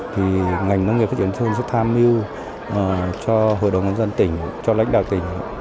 thì ngành nông nghiệp phát triển thương sẽ tham mưu cho hội đồng nhân dân tỉnh cho lãnh đạo tỉnh